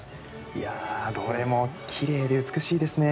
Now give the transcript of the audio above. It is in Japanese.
いやあ、どれもきれいで美しいですね。